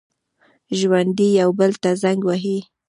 ژوندي یو بل ته زنګ وهي